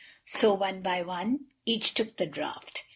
So, one by one, each took the draught.